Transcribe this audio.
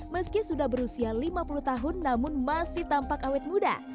meski sudah berusia lima puluh tahun namun masih tampak awet muda